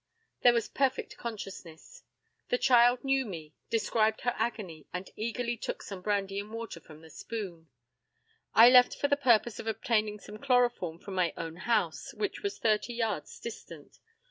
There was perfect consciousness. The child knew me, described her agony, and eagerly took some brandy and water from a spoon. I left for the purpose of obtaining some chloroform from my own house, which was thirty yards distant.